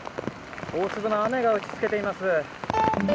大粒の雨が打ちつけています。